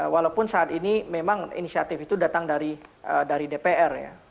walaupun saat ini memang inisiatif itu datang dari dpr ya